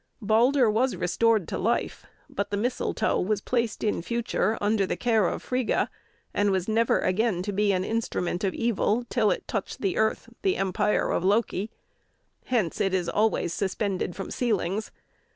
Balder was restored to life, but the mistletoe was placed in future under the care of Friga, and was never again to be an instrument of evil till it touched the earth, the empire of Loki. Hence, it is always suspended from ceilings.